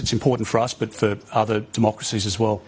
ini penting untuk kita tapi juga untuk demokrasi lain